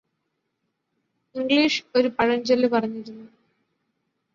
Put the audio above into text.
English ഒരു പഴഞ്ചൊല്ല് പറഞ്ഞിരുന്നു